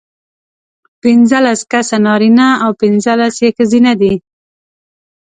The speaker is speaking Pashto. پینځلس کسه نارینه او پینځلس یې ښځینه دي.